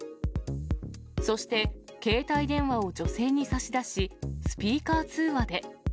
そして、携帯電話を女性に差し出し、スピーカー通話で。